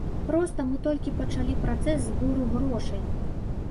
Проста мы толькі пачалі працэс збору грошай.